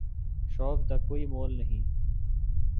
شوق دا کوئ مُل نہیں۔